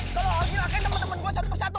kalo orang gila akan temen temen gue satu persatu